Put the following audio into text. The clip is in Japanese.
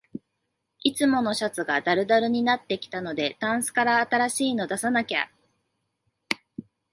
いつものシャツがだるだるになってきたので、タンスから新しいの出さなきゃ